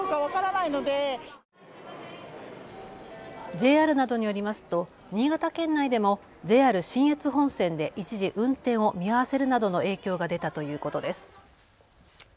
ＪＲなどによりますと新潟県内でもＪＲ信越本線で一時運転を見合わせるなどの影響が出たということです。